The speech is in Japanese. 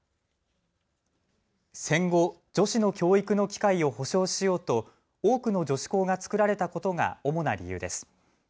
戦後、女子の教育の機会を保障しようと多くの女子校が作られたことが主な理由です。